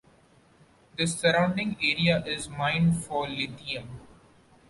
The surrounding area is mined for lithium.